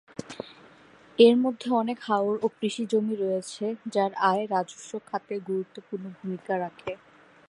এর মধ্যে অনেক হাওর ও কৃষি জমি রয়েছে যার আয় রাজস্ব খাতে গুরুত্বপূর্ণ ভূমিকা রাখে।